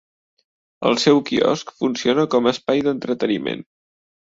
El seu quiosc funciona com a espai d'entreteniment.